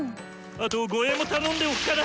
あと「護衛」も頼んでおくから！